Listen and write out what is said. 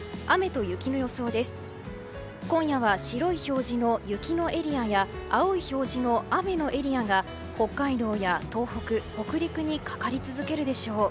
今夜は白い表示の雪のエリアや青い表示の雨のエリアが北海道や東北、北陸にかかり続けるでしょう。